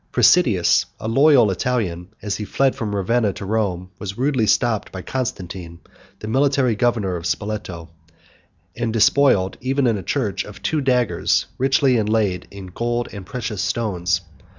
Presidius, a loyal Italian, as he fled from Ravenna to Rome, was rudely stopped by Constantine, the military governor of Spoleto, and despoiled, even in a church, of two daggers richly inlaid with gold and precious stones.